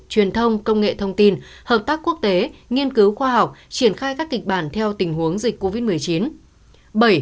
truyền thông công nghệ thông tin hợp tác quốc tế nghiên cứu khoa học triển khai các kịch bản theo tình huống dịch covid một mươi chín